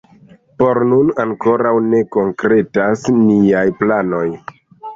Por nun ankoraŭ ne konkretas niaj planoj.